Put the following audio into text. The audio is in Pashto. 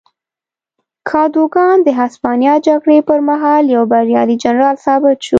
کادوګان د هسپانیا جګړې پر مهال یو بریالی جنرال ثابت شو.